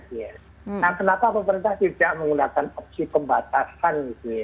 nah kenapa pemerintah tidak menggunakan opsi pembatasan